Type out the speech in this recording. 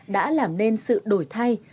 đã làm nên sự đổi thay